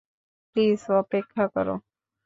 Please অপেক্ষা করো।